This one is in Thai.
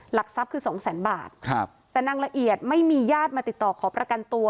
หลักทรัพย์คือสองแสนบาทครับแต่นางละเอียดไม่มีญาติมาติดต่อขอประกันตัว